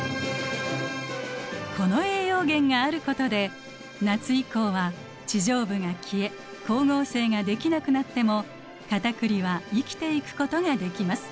この栄養源があることで夏以降は地上部が消え光合成ができなくなってもカタクリは生きていくことができます。